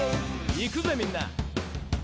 「いくぜみんな」